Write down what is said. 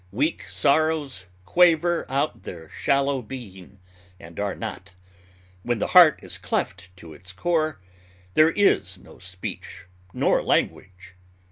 Weak sorrows quaver out their shallow being, and are not. When the heart is cleft to its core, there is no speech nor language.